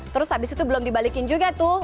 terus habis itu belum dibalikin juga tuh